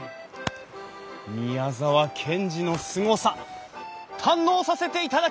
宮沢賢治のすごさ堪能させていただきます！